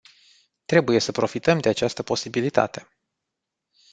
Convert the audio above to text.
Trebuie să profităm de această posibilitate.